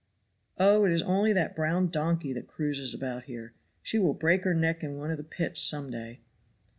"Oh, it is only that brown donkey that cruises about here. She will break her neck in one of the pits some day."